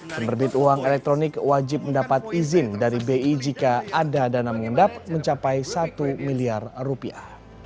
penerbit uang elektronik wajib mendapat izin dari bi jika ada dana mengendap mencapai satu miliar rupiah